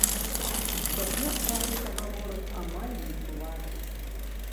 Цяпер пра гэта гаворак амаль не чуваць.